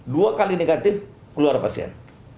dua kali negatif keluar pasien